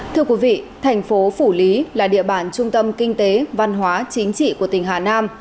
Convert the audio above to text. thưa quý vị thành phố phủ lý là địa bản trung tâm kinh tế văn hóa chính trị của tỉnh hà nam